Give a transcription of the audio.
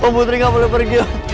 oh putri gak boleh pergi oh